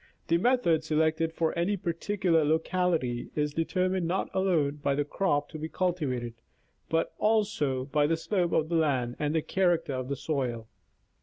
The method selected for any particular locality is determined not alone by the crop to be cultivated, but also 286 National Geographic Magazine. by the slope of the land and the character of the soil.